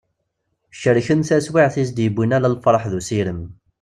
Cerken taswiɛt i as-d-yewwin ala lferḥ d usirem.